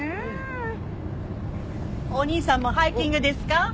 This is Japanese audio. お兄さんもハイキングですか？